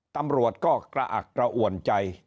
ตำรวจก็กระอักกระอ่วนใจ